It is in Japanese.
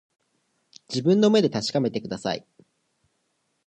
自分の目で確かめてください